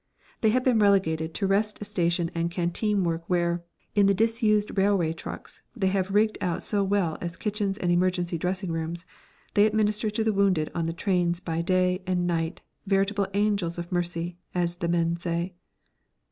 They have been relegated to rest station and canteen work where, in the disused railway trucks they have rigged out so well as kitchens and emergency dressing rooms, they administer to the wounded on the trains by day and night, veritable angels of mercy, as the men say.